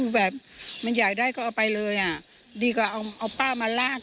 พายอย่างนี้แต่เสื้อป้ากลางข้าดมาด้วยพาดขลาด